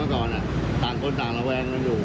พี่อุ๋ยพ่อจะบอกว่าพ่อจะรับผิดแทนลูก